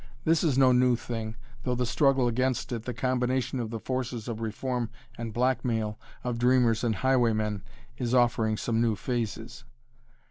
This is no new thing, though the struggle against it, the combination of the forces of reform and blackmail, of dreamers and highwaymen, is offering some new phases.